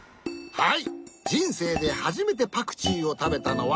はい。